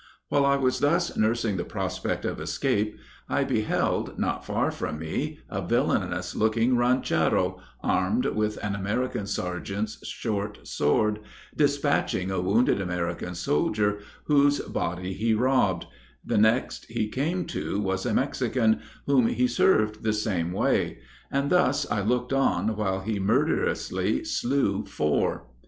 While I was thus nursing the prospect of escape, I beheld, not far from me, a villainous looking ranchero, armed with an American sergeant's short sword, dispatching a wounded American soldier, whose body he robbed the next he came to was a Mexican, whom he served the same way, and thus I looked on while he murderously slew four.